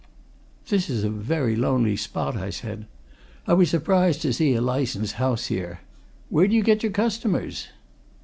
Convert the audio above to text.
"This is a very lonely spot," I said. "I was surprised to see a licensed house here. Where do you get your customers?"